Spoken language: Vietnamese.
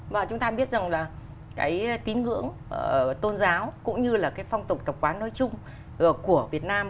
và chúng ta biết rằng là cái tín ngưỡng tôn giáo cũng như là cái phong tục tập quán nói chung của việt nam